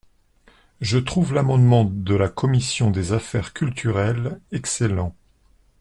Je trouve l’amendement de la commission des affaires culturelles excellent.